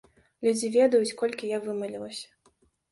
Людзі ведаюць, колькі я вымалілася.